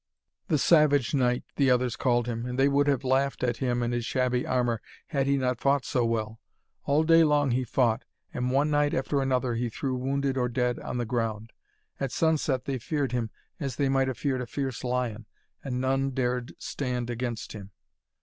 'The Savage Knight,' the others called him, and they would have laughed at him and his shabby armour, had he not fought so well. All day long he fought, and one knight after another he threw wounded or dead on the ground. At sunset they feared him as they might have feared a fierce lion, and none dared stand against him.